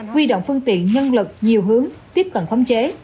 quy động phương tiện nhân lực nhiều hướng tiếp cận khống chế